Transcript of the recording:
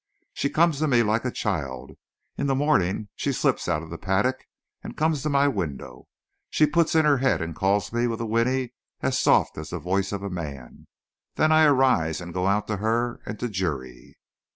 She comes to me like a child. In the morning she slips out of the paddock, and coming to my window, she puts in her head and calls me with a whinny as soft as the voice of a man. Then I arise and go out to her and to Juri."